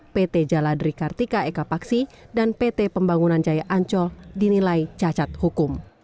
pt jaladri kartika ekapaksi dan pt pembangunan jaya ancol dinilai cacat hukum